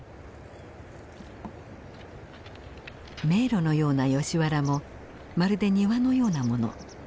迷路のようなヨシ原もまるで庭のようなもの。